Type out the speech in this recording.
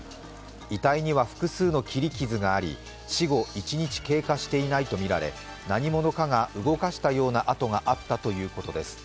遺体には複数の切り傷があり死後１日経過していないとみられ何者かが動かしたような跡があったということです。